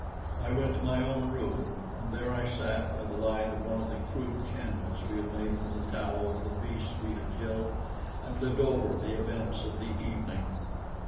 I went to my own room, and there I sat by the light of one of the crude candles we had made from the tallow of the beasts we had killed, and lived over the events of the evening.